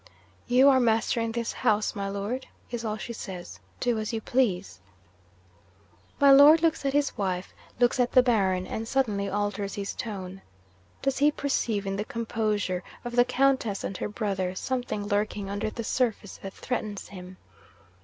"You are master in this house, my Lord," is all she says. "Do as you please." 'My Lord looks at his wife; looks at the Baron and suddenly alters his tone. Does he perceive in the composure of the Countess and her brother something lurking under the surface that threatens him?